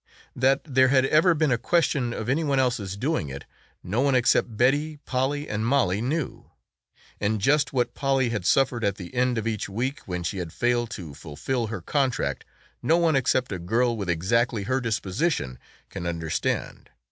That there had ever been a question of any one else's doing it, no one except Betty, Polly and Mollie knew. And just what Polly had suffered at the end of each week when she had failed to fulfill her contract no one except a girl with exactly her disposition can understand.